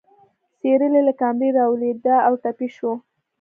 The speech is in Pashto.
سېرلی له کمره راولوېده او ټپي شو.